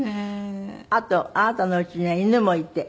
あとあなたのうちには犬もいて。